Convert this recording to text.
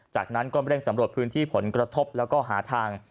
จากนั้นก็เร่งสำรวจพื้นที่ผลกระทบแล้วก็หาทาง